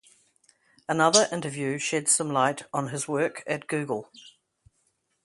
Another interview sheds some light on his work at Google.